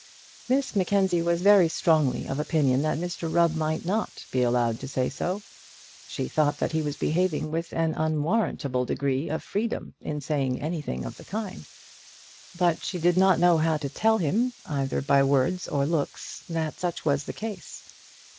Miss Mackenzie was very strongly of opinion that Mr Rubb might not be allowed to say so. She thought that he was behaving with an unwarrantable degree of freedom in saying anything of the kind; but she did not know how to tell him either by words or looks that such was the case.